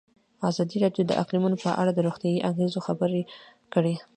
ازادي راډیو د اقلیتونه په اړه د روغتیایي اغېزو خبره کړې.